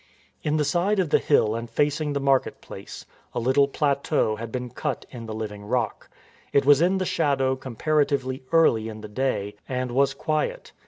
In the side of the hill and facing the market place a little plateau had been cut in the living rock. It was in the shadow comparatively early in the day, and was quiet.